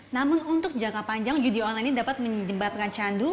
namun untuk jangka panjang judi online ini dapat menyebabkan candu